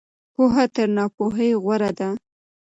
پوهه تر ناپوهۍ غوره ده.